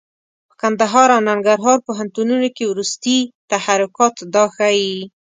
په کندهار او ننګرهار پوهنتونونو کې وروستي تحرکات دا ښيي.